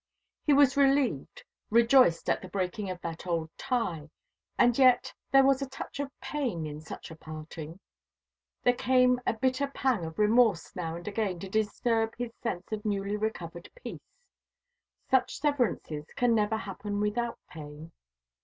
He was relieved, rejoiced at the breaking of that old tie, and yet there was a touch of pain in such a parting. There came a bitter pang of remorse now and again to disturb his sense of newly recovered peace. Such severances can never happen without pain.